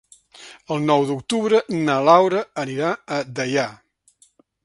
El nou d'octubre na Laura anirà a Deià.